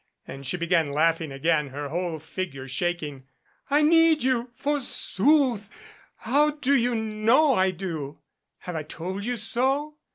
And she began laughing again, her whole figure shaking. "I need you forsooth! How do you know I do? Have I told you so?"